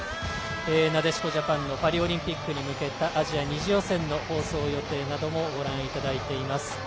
なでしこジャパンのパリオリンピックへ向けたアジア２次予選の放送予定もご覧いただいています。